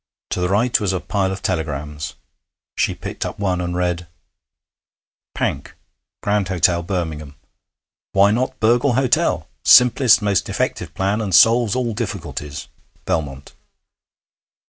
To the right was a pile of telegrams. She picked up one, and read: 'Pank, Grand Hotel, Birmingham. Why not burgle hotel? Simplest most effective plan and solves all difficulties. BELMONT.'